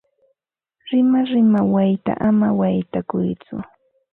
Rimarima wayta ama waytakuytsu.